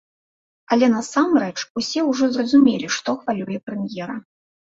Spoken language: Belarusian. Але насамрэч усе ўжо зразумелі, што хвалюе прэм'ера.